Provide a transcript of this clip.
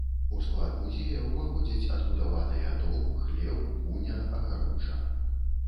У склад музея ўваходзяць адбудаваныя дом, хлеў, пуня, агароджа.